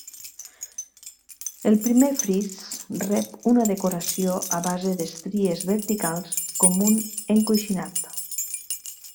El primer fris rep una decoració a base d'estries verticals, com un encoixinat.